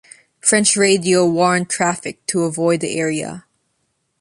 French radio warned traffic to avoid the area.